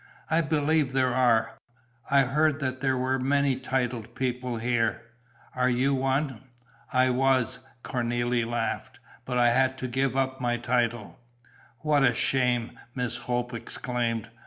"I believe there are. I heard that there were many titled people here. Are you one?" "I was!" Cornélie laughed. "But I had to give up my title." "What a shame!" Miss Hope exclaimed.